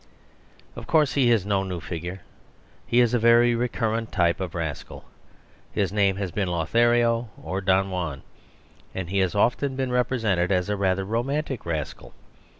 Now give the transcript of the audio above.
Of course, he is no new figure ; he is a very recurrent type of rascal; his name has been Lothario or Don Juan; and he has often been represented as a rather romantic rascal.